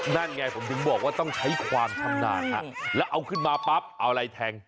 นั่นไงผมถึงบอกว่าต้องใช้ความชำนาญฮะแล้วเอาขึ้นมาปั๊บเอาอะไรแทง